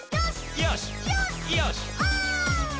「よし！」